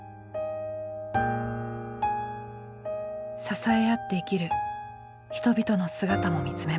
支え合って生きる人々の姿も見つめます。